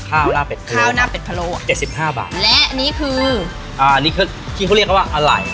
คราวหน้าเป็ดพะโล้อ่ะ๗๕บาทแล้วนี้คืออันนี้คือที่เขาเรียกว่าอล่าย